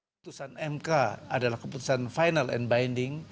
putusan mk adalah keputusan final and binding